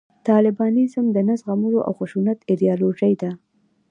طالبانیزم د نه زغملو او د خشونت ایدیالوژي ده